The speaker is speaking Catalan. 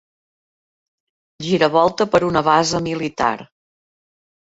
Giravolta per una base militar.